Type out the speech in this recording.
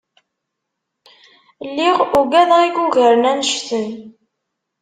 Lliɣ ugadeɣ i yugaren annect-en.